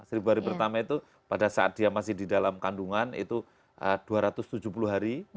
seribu hari pertama itu pada saat dia masih di dalam kandungan itu dua ratus tujuh puluh hari